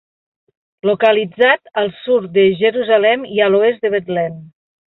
Localitzat al sud de Jerusalem i a l'oest de Betlem.